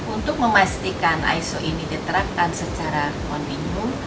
untuk memastikan iso ini diterapkan secara kontinu